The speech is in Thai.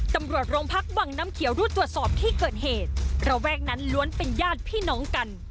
ตำรวจโรงพักวังน้ำเขียวรวดตรวจสอบที่เกิดเหตุระแวกนั้นล้วนเป็นญาติพี่น้องกัน